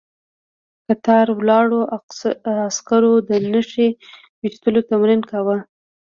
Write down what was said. کتار ولاړو عسکرو د نښې ويشتلو تمرين کاوه.